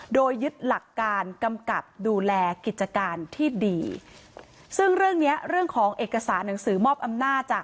โดยยึดหลักการกำกับดูแลกิจการที่ดีซึ่งเรื่องเนี้ยเรื่องของเอกสารหนังสือมอบอำนาจจาก